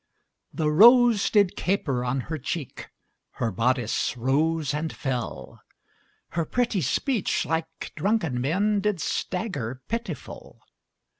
The rose did caper on her cheek, Her bodice rose and fell, Her pretty speech, like drunken men, Did stagger pitiful.